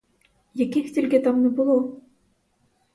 Яких тільки там не було?